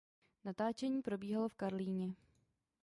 Natáčení probíhalo v Karlíně.